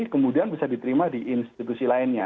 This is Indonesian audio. kemudian bisa diterima di institusi lainnya